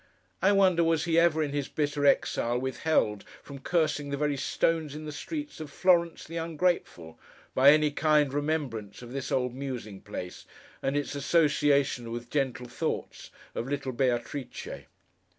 I wonder was he ever, in his bitter exile, withheld from cursing the very stones in the streets of Florence the ungrateful, by any kind remembrance of this old musing place, and its association with gentle thoughts of little Beatrice!